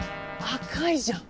赤いじゃん！